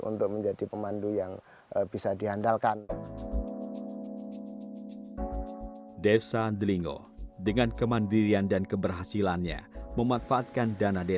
untuk menjadi pemandu yang bisa diandalkan